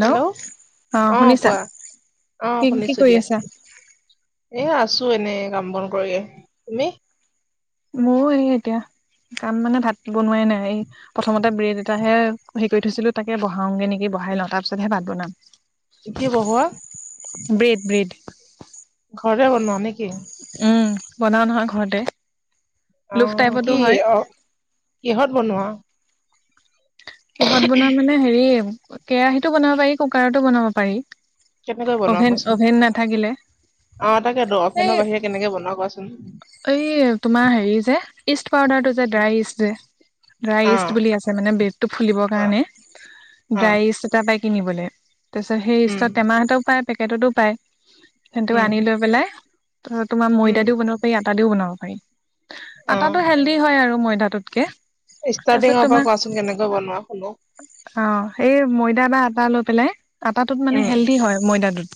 Hello, অ', কোৱা? অ', কি কি শুনিছো কৰি দিয়া। আছা এ আছোঁ এনেই কাম-বন কৰি, তুমি। মোৰ এই এতিয়া কাম মানে ভাত বনোৱাই নাই, এই প্ৰথমতে ব্ৰেড এটাহে হেৰি কৰি থৈছিলো, তাকে বহাওঁগে নেকি? বহাই লওঁ, তাৰপিছতহে ভাত বনাম। কি বহোৱা? ব্ৰেড [unintelligible] ঘৰতে বনোৱা নে কি? উম, বনাও নহয় ঘৰতে। লোভ অ', টাইপতো কি হয় অ', কিহত বনোৱা? কিহত বনোৱা মানে হেৰি, কেৰাহিটো বনাব পাৰি, কুকাৰতো বনাব পাৰি। কেনেকৈ বনোৱা অভেন কোৱাচোন অভেন নাথাকিলে আহ তাকে তু এই অফেনৰ বাহিৰে কেনেকে বনোৱা কোৱাচোন এই তোমাৰ হেৰি যে ইষ্ট পাউডাৰটো যে উম, ড্ৰাইইষ্ট যে ড্ৰাই অ ইষ্ট বুলি আছে মানে ব্ৰেফ টো ফুলিবৰ অ কাৰণে অ ড্ৰাইচ এটা পাই কিনিবলৈ তাৰপিছত সেই উম ইষ্টতোৰ টেমাহ এটাও পায় পেকেটতো পায় হেইতো উম আনি লৈ পেলাই ধৰ তোমাৰ উম ময়দা দিও বনাওঁ দিও বনাব পাৰি অ আটাটো হেল্ডি হয় আৰু ময়দাটোতকে তাৰপিছত ষ্টাৰ্টিঙৰ তোমাৰ পৰা কোৱাচোন কেনেকৈ বনোৱা শুনো অ সেই ময়দা বা আটা লৈ পেলাই আটাটোত মানে উম হেলডি হয় ময়দাটোত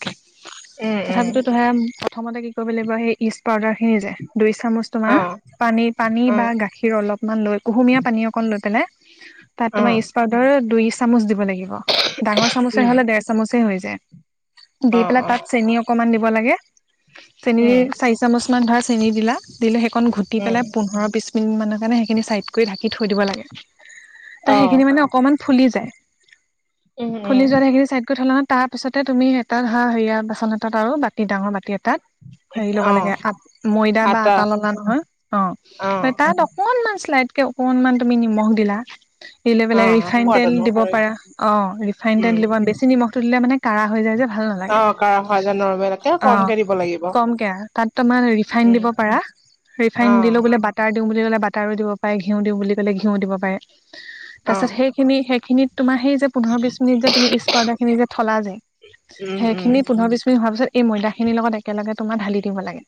উম উম তথাপিতো তহে প্ৰথমতে কি কৰিব লাগিব সেই ইচ পাউদাৰ সেই যে দুই চামুচ অ তোমাৰ পানী পানী অ বা গাখীৰ অলপমান লৈ কুহুমীয়া পানী অকণ লৈ পেলাই তাত অ তোমাৰ ইচ পাউদাৰ দুই চামুচ দিব লাগিব ডাঙৰ চামুচে উম হলে দেৰ চামুচে হৈ যায় দে অ দি পেলাই অ তাত চেনি অকনমান দিব লাগে চেনি দি উম চাৰি চামুচ মান ধৰ চেনি দিলা দিলে সেইখন ঘূটি উম পেলাই পোন্ধৰ বিছ মিনিট মানৰ কাৰণে সেইখিনি চাইড কৰি ঢাকি থৈ দিব লাগে অ তাই সেইখিনি মানে অকণমান ফুলি যায় উম উম ফুলি যোৱাৰ সেইখিনি চাইড কৰি থোলা হ তাৰপিছতে তুমি এটা হা হেৰিয়া বাচন এটাত আৰু বাতি ডাঙৰ বাতি এটাত হেৰি অ ল'ব লাগে আ ময়দা বা আটা ললা নহয় অ তাত অকণ অকমান চলাইটকে অকনমান তুমি নিমখ দিলা দিলে অ পেললে ৰিফাইন সোৱাদ তেল দিব অনুসৰি পাৰা অ ৰিফাইন তেল উম দিব বেছি নিমখটো দিলে মানে কাঢ়া হৈ যায় যে ভাল অ নালাগে কাৰা ভাজা নৰ্মেলকে অ কমকে দিব লাগিব কমকে তাত তোমাৰ ৰিফাইন উম দিব পাৰা ৰিফাইন অ দিলেও বোলে বাটাৰটো ওমলি গ'লে বাটাৰও দিব পাৰে ঘিও দি বুলি ক ঘিউ দিব পাৰে অ তাৰপিছত সেইখিনি সেইখিনিত তোমাৰ সেই যে পোন্ধৰ বিশ মিনট যে তুমি ইষ্ট পাউডাৰ খিনি যে থলা যে উম উম সেইখিনি পোন্ধৰ বিশছ মিনিট হোৱাৰ পিছত এই ময়দা খিনিৰ লগত একেলগে তোমাৰ ঢালি দিব লাগে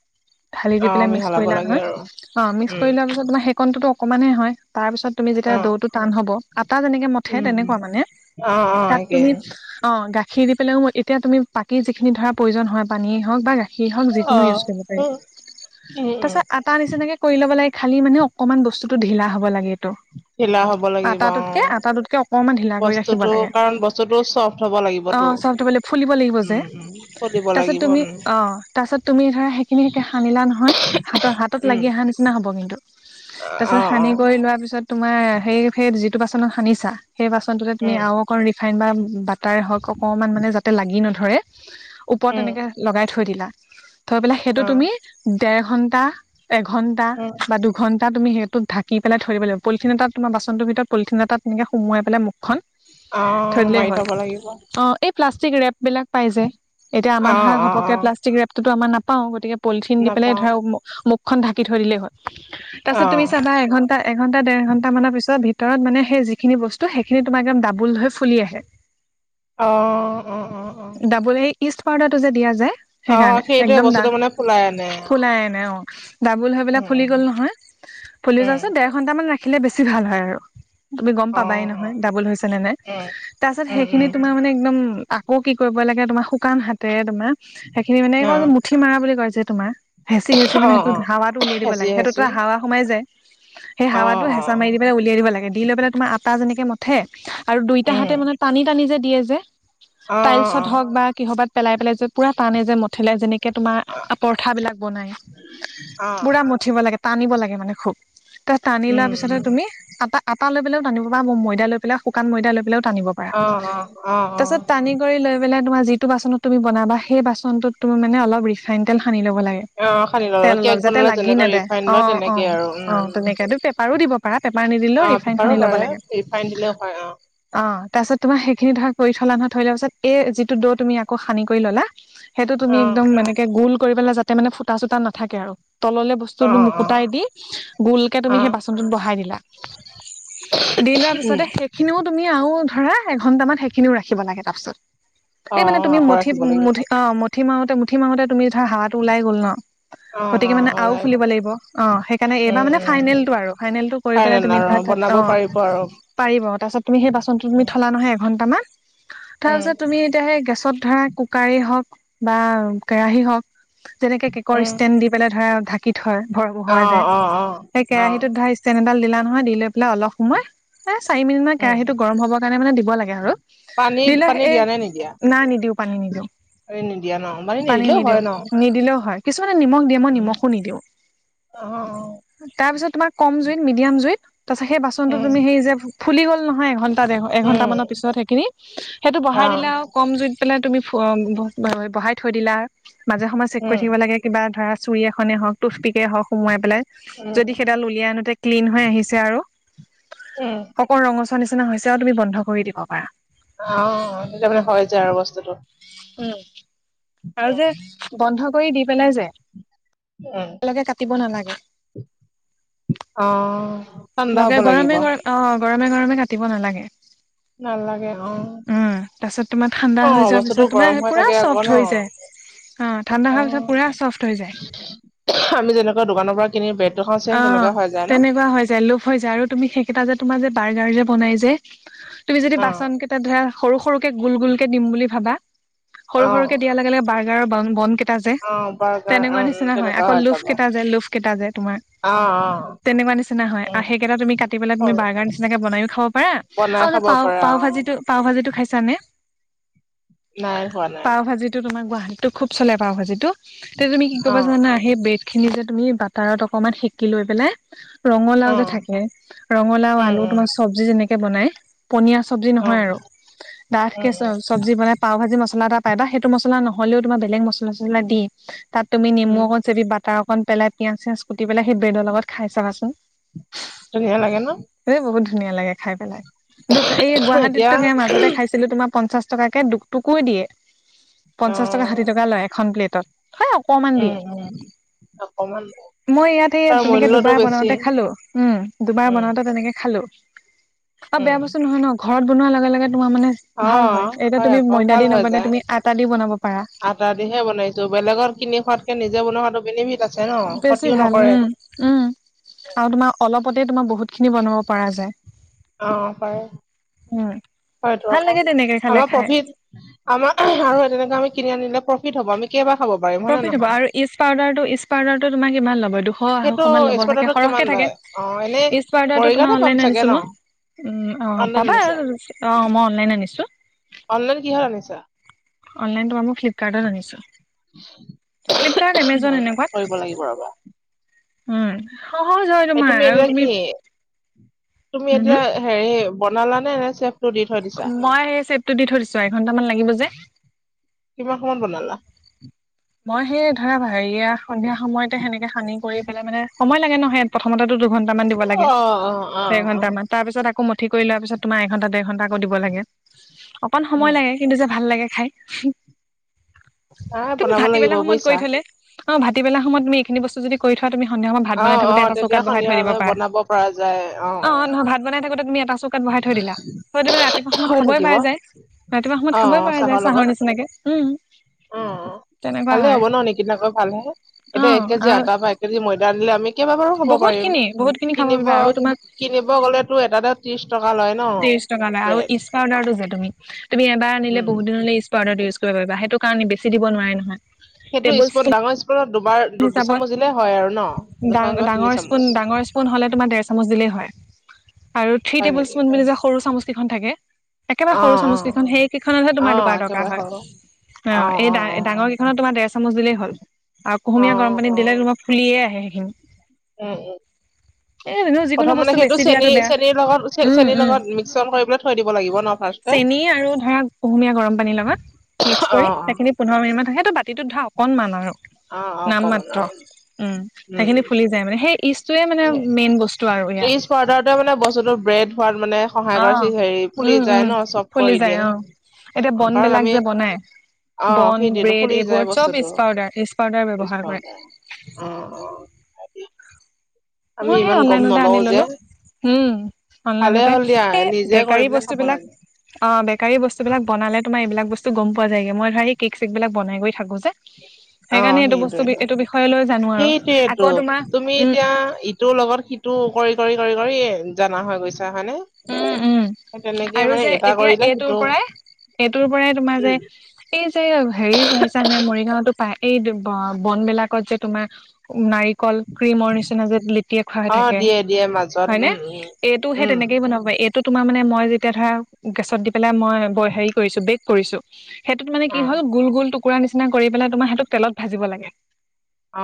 ঢালি দি অ পেলাই মিক্স মিহলাব কৰিলা লাগে নহয় আৰু অ মিক্স উম কৰি লোৱাৰ পিছত তোমাৰ সেইকনটোতো অকনমান হে হয় তাৰপিছত তুমি যেতিয়া অ দৌটো টান হ'ব আটা যেনেকে মঠে উম উম তেনেকুৱা মানে অ অ তাত একেই তুমি অ গা ঘি দি পেলাইও মই এতিয়া তুমি পাকী যিখিনি ধৰা প্ৰয়োজন হয় পানীয়েই হওক বা গাখীৰেই হওক অ যিকোনো ইউজ কৰিব তাৰ উম উম উম পাছত আটাৰ নিচিনাকে কৰি ল'ব লাগে খালি মানে অকমান বস্তুটো ঢিলা হব লাগে তটো ঢিলা হব [unintelligible] লাগিব অ আটাটোতকে আটাটোতকে অকনমান ঢিলা কৰি ৰাখিব বস্তুটো লাগে কাৰণ বস্তুটো চফ্ট হব অ লাগিবতো চাউলটো বোলে ফুলিব লাগিব যে উম উম ফুলিব তাৰ পিছত লাগিব তুমি উম অঁ তাৰ পিছত ধৰা সিখিনি সেনকে সানিলা নহয় হাতৰ হাতত উম লাগি আহা নিচিনা হ'ব কিন্তু অ তাৰ পিছত অ সানি কৰি লোৱাৰ পিছত পিছত তোমাৰ সেই সেই যিটো বাচনত সানিছা সেই বাচন টোতে তুমি উম আৰু অকন ৰিফাইন বা বাটাৰে হওঁক অকণমান মানে যাতে লাগি নধৰে ওপৰত উম তেনেকে লগাই থৈ দিলা থৈ পেলাই সেইটো অ তুমি দেৰ ঘন্টা এঘন্টা উম বা দুঘন্টা তাত তুমি সেইটোত ঢাকি পেলায় থৈ দিব লাগিব পলিথিন এটাত তোমাৰ বাচনটোৰ ভিতৰত পলথিন এটাত তেনেকে সোমায় পেলেই মুখখন অ ধৰিলে মাৰি হয় থব লাগিব অ এই প্লাষ্টিক ৰেপ বিলাক পাই যে এতিয়া আমাৰ ধৰা অ অ ঘপকে প্লাষ্টিক ৰেপটোতো আমাৰ নাপাও গতিকে পলিথিন দি পেলাই নাপাও ধৰা মুখখন ঢাকি থৈ দিলেই হ'ল তাৰ অ পিছত তুমি চাবা এঘন্টা এঘণ্টা দেৰ ঘণ্টা মানৰ পিছত ভিত ভিতৰত মানে সেই যিখিনি বস্তু সেইখিনি তোমাক একদম ডাবুল হৈ ফুলি আহে অ অ অ অ ডাবুল সেই ইষ্ট পাওদাৰটো যে দিয়া যায় অ সেইকাৰণে সেইটোৱে একদম বস্তুটো মানে পুলাই আনে অ ফুলাই আনে অ ডাবুল হৈ পেলে উম ফুলি গ'ল নহয় ফুলি যোৱাৰ উম পিছত দেৰ ঘন্ট মান ৰা দেখিলে বেছি ভাল হয় আৰু তুমি গম উম অ পাবাই অ নহয় ডাবল হৈছে নে নাই তাৰপাছত উম সেইখিনি উম তোমাৰ মানে একদম আকৌ কি কৰিব লাগে তোমাৰ শুকান হাতেৰে তোমাৰ সেইখিনি মানে কয় উম যে মুঠি মাৰা বুলি কয় যে তোমাৰ হেচি হেচি অ অ মানে অ সেইটোত হাৱাটো উলাই দিব হেঁচি লাগে হেঁচি সেইটোত হাৱা সোমাই যায় সেই অ হাৱাটো অ হেঁচা মাৰি দি পেলাই উলিয়াই দিব লাগে। দি লৈ পেলাই তোমাৰ আটা যেনেকে মঠে আৰু দুইটা উম হাতে মানে টানি-টানি যে দিয়ে যে অ অ টাইলছত হওক বা কিহবাত পেলাই পেলাই যে পুৰাটানে যে মঠেলাই জনীক কে, তোমাৰ অ পৰঠা বিলাক বনাই অ বুৰা মঠিব লাগে টানিব লাগে মানে খুব ত টানি উম লোৱাৰ উম পিছতে তুমি আটা আটা লৈ পেলাও টানিব পা ময়দা লৈ পেলাই শুকান ময়দাৈ লৈ পেলাওঁ টানিব পৰা। অ অ অ তাৰপাছত টানি অ কৰি লৈ- মানে তোমাৰ যিটো বাচনত তুমি বনাবা সেই বাচনটোত তুমি মানে অলপ ৰিফাইন তেল হানি লব লাগে অ সানি লওঁ আৰু কেক তেলৰ যাতে বনালে লাগি যেনেকৈ নেদে ৰিফাইন অ লয় অ তেনেকে আৰু উম অ উম তেনেকে পিপাৰ দিব থাকিব পাৰা পিপাৰ নিদিলেও অ ৰিফাইন পেপাৰো হানি লব পাৰে লাগে ৰিফাইন দিলেও হয় অ অ তাৰপিছত তোমাৰ সেইখিনি ধৰা কৰি থলা নহ, থই লোৱা পাছত এই যিটো দৌ তুমি আকৌ সানি কৰি ললা সেইটো তুমি অ একদম মানেকে গোুল কৰি পেলাই যাতে মানে ফুটা চুটা নাথাকে আৰু তললৈ অ বস্তুটো অ মুকুটাই দি গোলকে তুমি অ সেই বাচনটোত বহাই দিলা। দি দিয়াৰ উম পিছতে সেইখিনিও তুমি আৰু ধৰা এঘন্টামান সেইখিনিও ৰাখিব লাগে তাৰপিছত। অ এই মানে তুমি আকৌ মঠি, ৰাখিব লাগিব মঠি অ মঠি মাৰোতে মুঠি মাৰোতে তুমি ধৰা হাৱা টো ওলাই গ'ল ন। অ গতিকে অ মানে আও ওলাই ফুলিব গ'ল লাগিব অ। সেইকাৰণে উম এইবাৰ মানে ফাইনেলটো আৰু ফাইনেলটো কৰি পেলাই তুমি ধৰা অ' বনাব পাৰিব আৰু। পাৰিব। তাৰপিছত তুমি সেই বাচন খিনি তুমি থলা নহয় এঘণ্টামান। উম তাৰপিছত তুমি এতিয়া সেই গেছত ধৰা কুকাৰেই হওক বা কেৰাহি হওক তেনেকে কেকৰ উম ষ্টেণ্ড দি পেলাই ধৰা, ঢাকি- ধৰ ভৰ অ বহুৱা যায় অ অ সেই অ কেৰাহিত ধাই ষ্টেন এডাল দিলা নহয়। দি লৈ পেলাই অলপ সময় এ চাৰি মিনিট মান উম কেৰাহীটো গৰম হব কাৰণে মানে দিব লাগে আৰু পানী দিলে পানী এ না নিদিও পানী নিদিও আৰু নিদিয়া ন, মানে নিদিলেও হয় ন'? নে নিমখ দিয়ে মই উম নিমখো নিদিওঁ। অ তাৰ পিছত তোমাৰ কম জুইত, মিডিয়াম জুইত তাৰ পিছত সেই বাচনটো উম তুমি সেই যে ফুলি গ'ল নহয়, এঘণ্টা, ডেৰ ঘ' এঘণ্টা উম মানৰ পিছত সেইখিনি, সেইটো বহাই অ দিলে আৰু কম জুইত পেলাই তুমি ব, বঢ়াই থৈ দিলা মাজে সময়ে চেক কৰি উম থাকিব লাগে কিবা ধৰা চুৰি এখনে হওক টুথপিকে হওক সোমোৱাই পেলাই উম যদি সেইডাল উলিয়াই আনোতে ক্লিন হৈ আহিছে আৰু উম অকন ৰঙচুৱা নিচিনা হৈছে আৰু তুমি বন্ধ কৰি দিব পাৰা। অ তেতিয়া মানে হৈ যায় আৰু বস্তুটো উম, আৰু যে বন্ধ কৰি দি পেলাই যে উম একেলগে কাটিব নালাগে। অ ঠাণ্ডা হব লগে লাগিব গৰমে গৰম, অ' গৰমে-গৰমে কাটিব নালাগে। নালাগে। অ উম, তাৰপিছত তোমাৰ ঠাণ্ডা হৈ অ' যোৱাৰ বস্তুটো পিছত তোমাৰ গৰম হৈ পুৰা থাকে আকৌ চফ্ট ন'? হৈ যায়। ঠাণ্ডা অ হোৱাৰ পিছত পুৰা চফ্ট হৈ যায়। আমি যেনেকুৱা দোকানৰ পৰা কিনি ব্ৰেড অ তেনেকুৱা হৈ যায় লোভ হৈ যায় আৰু তুমি সেইকেইটা যে তোমাৰ যে বাৰ্গাৰ যে বনাই যে তুমি যদি অ বাচন কেইটা ধৰা সৰু-সৰুকে, গোল-গোল কে দিম বুলি ভাবা অ সৰু সৰুকে দিয়া লগে লগে বাৰ্গাৰৰ বান বন কে তাও যে অ বাৰ্গাৰ তেনেকুৱা উম নিচিনা হয় তেনেকুৱা আকৌ হৈ লোফ যাব কেইটা যে লোভ কেইটা যে তোমাৰ অ অ। তেনেকুৱা নিচিনা হয় উম আৰু সেইকেইটা তুমি কাটি পেলাই তুমি কৰো বাৰ্গাৰ নিচিনাকে বনাইও খাব পাৰা। বনাই আও যে খাব পাও, পাৰা পাও ভা- অ ভাজিটো পাউ ভাজিটো খাইছা নে নাই হোৱা নাই গুৱাহাটীটো খুব চলে পাউ ভাজিটো। তে' তুমি কি অ কৰিবা জানা সেই ব্ৰেড খিনি যে তুমি বাটাৰত অক- অকমান সেকি লৈ পেলাই ৰঙালাও অ যে থাকে, ৰঙালাও উম আলু তোমাৰ উম চবজি যেনেকে কে বনাই পনীয়া চবজি অ নহয় উম আৰু ডাঠকে উম চবজি বনাই পাও ভাজি মছলা এটা তাই ইটা সেইটো মছলা নহ'লেও তোমাৰ বেলেগ মছালা চচলা দি তাত তুমি নিমু উম অকন চেপি বাতাৰ অকণ পেলাই পিয়াজ-চিয়াজ কোটি পেলাই সেই ব্ৰেডৰ লগত খাই চাবাচোন। ধুনীয়া লাগে ন। এ বহুত ধুনীয়া লাগে খাই পেলাই দুকা। এই এতিয়া গুৱাহাটীটতো সেয়া মাজতে খাইছিলো তোমাৰ। পঞ্চাশ টকাকে দুটুকুৰ দিয়ে, অ পঞ্চাশ টকা ষাঠি টকা লয় এখন প্লেটত। হয় অকমান দিয়ে উম। উম, অকমান। মই ইয়াত সেইয়া তাৰ তেনেকে মূল্যটো দুবাৰ বেছি বনাওঁতে খালোঁ। উম, দুবাৰ উম বনাওঁতে তেনেকে খালোঁ। অ' উম বেয়া বস্তু নহয় ন'! ঘৰত বনোৱাৰ লগে লগে তোমাৰ মানে অ ভাল হয়। এতিয়া তুমি আকৌ ময়দা ভাল দি হৈ নবনাই যায় তুমি আটা। দি বনাব পাৰা আটা দিহে বনাইছোঁ। বেলেগত কিনি খোৱাতকে নিজে বনোৱাটো বেনিফিট আছে। ন বেছি ক্ষতিও ভাল। নকৰে উম, উম আৰু তোমাৰ অলপ পতে তোমাৰ বহুত খিনি বনাব পৰা যায়। অ' পাৰে। উম হয়টো ভাল আকৌ, লাগে তেনেকে খালে আমাৰ খাই প্ৰফিট আমাৰ আৰু তেনেকে আমি কিনি আনিলে। প্ৰফিট হ'ব আমি কেইবাৰ। খাব পাৰিম হয় নে প্ৰফিট হ'ব নহয়? আৰু ইষ্ট পাউডাৰটো ইষ্ট পাউডাৰটো তোমাৰ কিমান ল'ব এইটো? সেইটো দুশ-আঢ়ৈশ মান ল'ব, থাকে স্পটতো কিমান সৰহকে থাকে। লয় অ এনেই ইষ্ট পাউডাৰটো মৰিগাঁওতে তোমাৰ পাম অনলাইন চাগে আনিছোঁ ন? মই। উম, অ' অনলাইন পাবা। আনিছা অ' মই অনলাইন আনিছোঁ। অনলাইন কিহত আনিছা? অনলাইন তোমাৰ মো ফ্লিপকাৰ্টত আনিছোঁ। ফ্লিপকাৰ্ট, এমাজন এনেকুৱাত। কৰিব লাগিব ৰবা উম। সহজ হয় এই তোমাৰ তুমি আৰু এতিয়া কি! তুমি উম হম এতিয়া হেৰি বনালানে। এনে ছেক মই হেই শ্বেপটো দি থৈ দিছোঁ, এঘণ্টা মান লাগিব যে। কিমান সময়ত বনালা? মই হেই ধৰা! হেৰিয়া সন্ধিয়া সময়তে সেনেকে সানি কৰি পেলাই মানে সময় লাগে ন' হেয়া প্ৰথমতেটো দুঘণ্টা মান দিব অ লাগে, অ অ ডেৰ অ ঘণ্টা মান তাৰ পিছত আ আকৌ মঠি কৰি লোৱাৰ পিছত তোমাৰ এঘন্টা-ডেৰ ঘণ্টা আকৌ দিব লাগে। অকন উম সময় লাগে, কিন্তু যে ভাল লাগে। খাই [unintelligible] [unintelligible] তুমি ভাতিবেলা সময়ত বুজিছা কৰি থ'লে, অ' ভাতিবেলা সময়ত তুমি এইখিনি বস্তু যদি কৰি থোৱা তুমি সন্ধিয়া সময় ভাত অ বনাই অ থাকোঁতে এটা তেতিয়া চৌকাত বহাই থৈ দিব সন্ধিয়ালৈ বনাব পৰা যায় পাৰা। অ' নহয় ভাত বনাই থাকোঁতে তুমি এটা চৌ কোকাত বহাই থৈ দিলা। হয় তুমি ৰাতিপুৱা সময়ত হৈ খাবই থাকিব পাৰা অ যায়। ৰাতিপুৱা অ সময়ত খাবই পৰা যায়, লগত চাহৰ নিচিনাকে! উম। উম, তেনেকুৱা ভালে হয় হ'ব ন' নিকিনাকৈ ভাল হে! অ এতিয়া এক কেজি আৰু আটা বা এক কেজি ময়দা দিলে কেইবাবাৰো খাব বহুত পাৰিম, খিনি বহুত খিনি খাব পাৰিবা আৰু তোমাক কিনিব-কিনিব গ'লেতো এটাতে ত্ৰিশ টকা লয় ন। ত্ৰিশ টকা লয় আৰু ব্ৰেড ইষ্ট পাউডাৰটো যে তুমি! তুমি এবাৰ আনিলে উম, বহুত দিনলে ইষ্ট পাউডাৰটো ইউজ কৰিব পাৰিবা, সেইটো। কাৰণ ই বেছি দিব নোৱাৰে নহয়। সেইটো স্পুন ডাঙৰ স্পুনত দুবাৰ দু- হিচাপত দুচামুচ দিলে হয় আৰু ন। দুচামুচ বা তিনি ডাঙৰ স্পুন, চামুচ ডাঙৰ স্পুন হ'লে তোমাৰ ডেৰ চামুচ দিলেই হয়। আৰু থ্ৰী হয় টেবুল নেকি? স্পুন বুলি যে সৰু চামুচ কিখন থাকে। একেবাৰে সৰু অ', চামুচ অ', কেইখন, সেইকেইখনতহে তোমাৰ অ', দুবাৰ দৰকাৰ একেবাৰে হয়। খাব অ', অ', এই ডাঙৰ কেইখনত তোমাৰ ডেৰ চামুচ দিলেই হ'ল। আৰু অ'। কুহুমীয়া গৰম উম, পানীত দিলে, তোমাৰ ফুলিয়ে আহে সেইখিনি। উম, উম। এ এনেও যিকোনো প্ৰথম মানে বস্তু সেইটো বেছি চেনী দিয়াটো বেয়া চেনীৰ লগত চেনীৰ লগত মিশ্ৰণ কৰি পেলাই থৈ দিব লাগিব ন। ফাৰ্ষ্টে। চেনি আৰু ধৰা কুহুমীয়া গৰম পানীৰ লগত। মিক্স কৰি অ', অ', সেইখিনি পোন্ধৰ মিনিটমান থাকে। সেইটো বাতিটোত ধৰা অকণমান আৰু। অ', অ', কমন নামমাত্ৰ আৰু উম, উম। সেইখিনি ফুলি যায় মানে সেই ইষ্ট টোৱে মানে মেইন বস্তু আৰু ত্ৰিশ পাউদাৰটোৱে মানে ইয়াত। বস্তুটো ব্ৰেড হোৱাত মানে সহায় কৰে, সি হেৰি ফুলি যায় উম ন' চ'ব ফুলি কৰি যায় দিয়ে। অ এতিয়া কাৰণ বনবিলাক আমি যে বনাই। অ বন, সেইটোৱেটো ব্ৰেড ফুলি যায় এইবোৰ চ'ব বস্তুটো ইষ্ট পাউডাৰ! ইষ্ট পাউডাৰ ত্ৰিশ ব্যৱহাৰ কৰে। পাউদাৰ। অ', অ'। আমি মই সেই ইমান গম অনলাইনতে আনি নলও যে ললো উম ভালে অনলাইনতে হ'ল দিয়া এই নিজে কৰি বেকাৰী পিনে বস্তু খাব বিলাক লাগে। অ বেকাৰী বস্তু বিলাক বনালে তোমাৰ এইবিলাক বস্তু গম পোৱা যায়গে মই ধৰা এই কেক চেক বিলাক বনাই কৰি থাকো অ সেইকাৰণে এইটো বস্তু সেইটোৱেটো এইটো বিষয়ে লৈ জানো আৰু আকৌ তোমাৰ উম টোৰ লগত সিটো, কৰি-কৰি-কৰি-কৰি জনা হৈ গৈছো। হয় নে উম উম তেনেকে আৰু মানে যে এটা এতিয়া কৰিলে এইটোৰ সিটো পৰাই এইটোৰ পৰাই তোমাৰ যে উম এই যে হেৰি চাইছা নে মৰিগাঁওতো পায় এই বন বিলাকত যে তোমাৰ নাৰিকল ক্ৰীমৰ নিচিনা যে লেটিয়ে খুৱাই অ থাকে দিয়ে দিয়ে মাজত হয় ন উম উম এইটো হে উম তেনেকে এইটো তোমাৰ মানে মই যেতিয়া ধৰা গেছত দি পেলাই মই হেৰি কৰিছো বেক কৰিছো সেইটোত মানে অ কি হ'ল গোল গোল টুকুৰা নিচিনা কৰি পেলাই তোমাৰ সেইটোক তেলত ভাজিব লাগে অ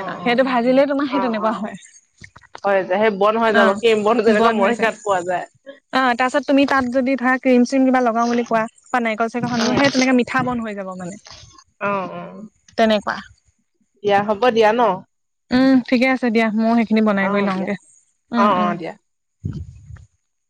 অ অ সেইটো ভাজিলে তোমাৰ সেই তেনেকুৱা হয়। হয় সেই বন্ধ হৈ যাব কিম বন অ'। যেনেকা বন্ধ হৈ যায় মৰিগাওঁত অ তাৰপাছত তুমি তাত যদি ধৰা ক্ৰীম চিম কিবা লগাও বুলি কোৱা বা নাৰিকল চাৰিকল স উম সেই তেনেকে মিঠা বন হৈ যাব মানে অ অ তেনেকুৱা দিয়া হব দিয়া ন উম ঠিকে আছে দিয়া ময়ো সেইখিনি বনাই অ কৰি দিয়া লওঁগে অ উম অ উম দিয়া। [inaudible]